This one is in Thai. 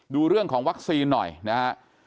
ดูเรื่องของวัคซีนหน่อยนะฮะ